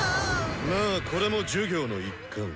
まあこれも授業の一環。